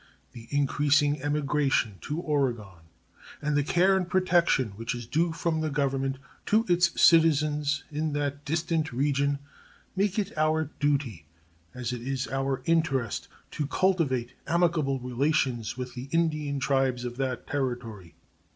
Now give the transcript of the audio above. The increasing emigration to Oregon and the care and protection which is due from the Government to its citizens in that distant region make it our duty, as it is our interest, to cultivate amicable relations with the Indian tribes of that Territory.